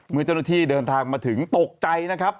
เมื่อเจ้าหน้าที่เดินทางมาถึงตกใจนะครับ